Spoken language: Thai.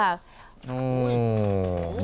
อืม